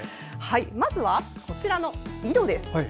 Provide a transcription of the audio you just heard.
まずは、こちらの井戸です。